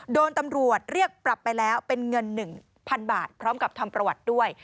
โดนตำรวจเรียกปรับไปแล้วเป็นเงิน๑๐๐๐บาทพร้อมกับทำประวัติด้วย